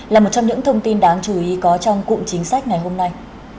là một trong những thông tin đáng chú ý có trong cụm chính sách ngày hôm nay